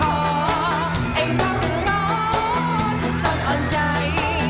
ไอ้น้องจนอ่อนใจ